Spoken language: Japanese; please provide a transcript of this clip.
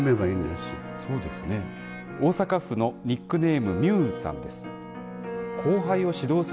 大阪府のニックネームみゅーんさんです。